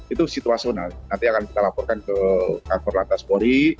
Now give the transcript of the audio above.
itu situasional nanti akan kita laporkan ke kantor lantas polri